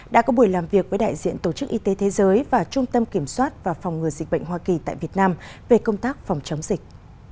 đã có buổi làm việc với đại diện tổ chức y tế thế giới và trung tâm kiểm soát và phòng ngừa dịch bệnh hoa kỳ tại việt nam về công tác phòng chống dịch